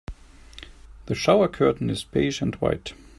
The shower curtain is beige and white.